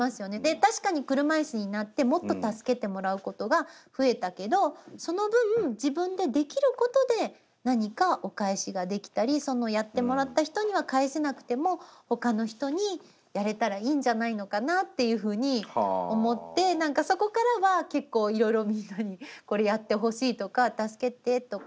確かに車いすになってもっと助けてもらうことが増えたけどその分自分でできることで何かお返しができたりやってもらった人には返せなくても他の人にやれたらいいんじゃないのかなっていうふうに思って何かそこからは結構いろいろみんなに「これやってほしい」とか「助けて」とか。